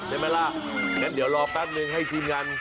ใช่ไหมล่ะงั้นเดี๋ยวรอแป๊บนึงให้ทีมงาน